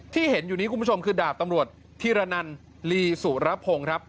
ที่เห็นอยู่นี้คุณผู้ชมคือดาบตำรวจธีรนันลีสุรพงศ์ครับ